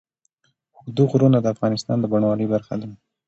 اوږده غرونه د افغانستان د بڼوالۍ برخه ده.